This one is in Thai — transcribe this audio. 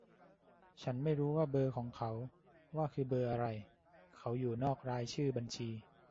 ฉันไม้รู้ว่าเบอร์ของเขาว่าคือเบอร์อะไร เขาอยู่นอกรายชื่อบัญชี